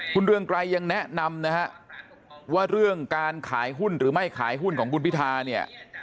คุณเรืองไกรยังแนะนำนะฮะว่าเรื่องการขายหุ้นหรือไม่ขายหุ้นของคุณพิธาเนี่ย